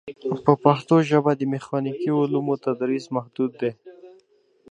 په پښتو ژبه د میخانیکي علومو تدریس محدود دی.